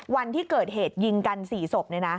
วันที่เกิดเหตุยิงกัน๔ศพ